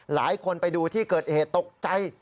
ไปดูที่เกิดเหตุตกใจ